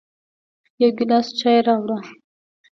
يو ګیلاس چای راوړه